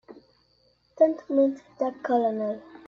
Don't mind the Colonel.